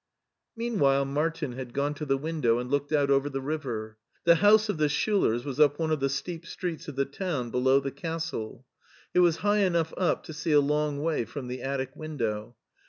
Meanwhile Martin had gone to the window and looked out over the river. The house of the Schiilers was up one of the steep streets of the town below the castle. It was high enough up to see a long way from the attic window.